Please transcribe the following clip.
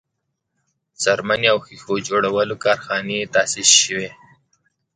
د څرمنې او ښیښو جوړولو کارخانې تاسیس شوې.